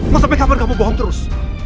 masa sampai kapan kamu bohong terus